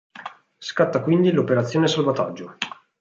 Scatta quindi l'operazione salvataggio.